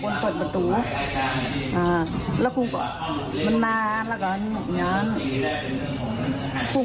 ได้ได้ทัลาดอย่างสิอะไรอยู่